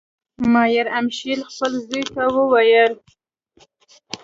مایر امشیل خپل زوی ته وویل.